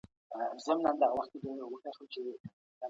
الله د صابرانو ملګري دی.